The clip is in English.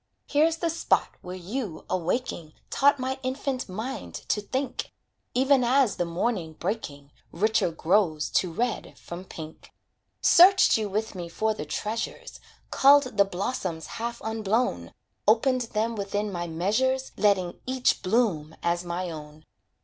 Here's the spot where you, awaking, Taught my infant mind to think; Even as the morning breaking, Richer grows to red from pink. Searched you with me for the treasures, Culled the blossoms half unblown, Opened them within my measures, Letting each bloom as my own.